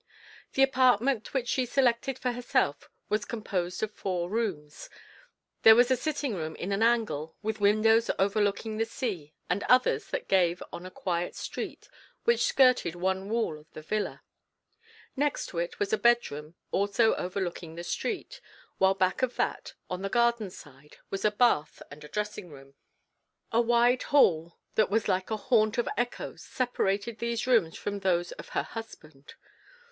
The apartment which she selected for herself was composed of four rooms; there was a sitting room in an angle with windows overlooking the sea and others that gave on a quiet street which skirted one wing of the villa. Next to it was a bed room also overlooking the street, while back of that, on the garden side, was a bath and a dressing room. A wide hall that was like a haunt of echoes separated these rooms from those of her husband.